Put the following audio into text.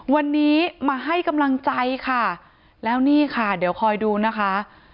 วันนี้มาให้กำลังใจค่ะแล้วนี่ค่ะเดี๋ยวคอยดูนะคะ